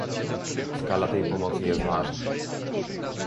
Skala tej pomocy jest ważna